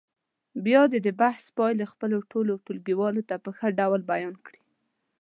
بیا دې د بحث پایلې خپلو ټولو ټولګیوالو ته په ښه ډول بیان کړي.